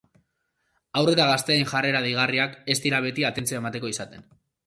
Haur eta gazteen jarrera deigarriak ez dira beti atentzioa emateko izaten.